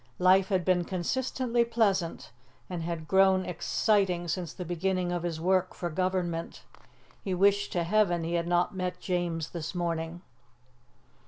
Life had been consistently pleasant, and had grown exciting since the beginning of his work for Government. He wished to Heaven he had not met James this morning.